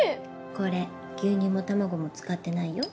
これ牛乳も卵も使ってないよ。